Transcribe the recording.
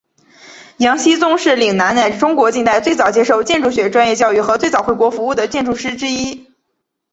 杨锡宗是岭南乃至中国近代最早接受建筑学专业教育和最早回国服务的建筑师之一。